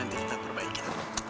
nggak ada lagi ya